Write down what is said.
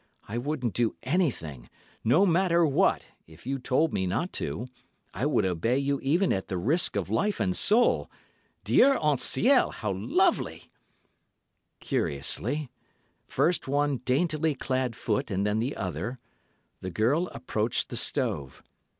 I wouldn't do anything—no matter what—if you told me not to; I would obey you even at the risk of life and soul!' Dieu en ciel! How lovely! "Cautiously—first one daintily clad foot and then the other—the girl approached the stove.